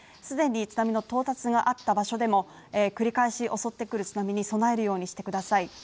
既に津波の到達があった場所でも繰り返し襲ってくる津波に備えるようにしてください。